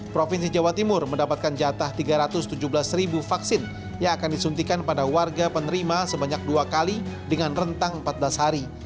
provinsi jawa timur mendapatkan jatah tiga ratus tujuh belas ribu vaksin yang akan disuntikan pada warga penerima sebanyak dua kali dengan rentang empat belas hari